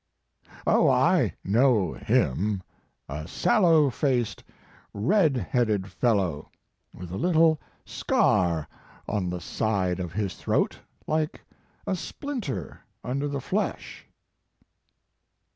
"Oh, I know him. A sallow faced,, red headed fellow, with a little scar on the side of his throat like a splinter under the flesh."